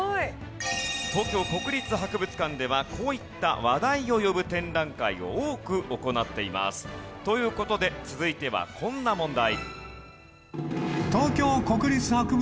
東京国立博物館ではこういった話題を呼ぶ展覧会を多く行っています。という事で続いてはこんな問題。